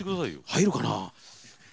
入るかな。